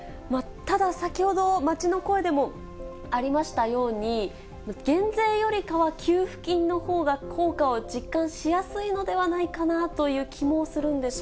ただ、先ほど街の声でもありましたように、減税よりかは給付金のほうが、効果は実感しやすいのではないかなという気もするんですが。